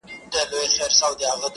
زړه راته زخم کړه، زارۍ کومه,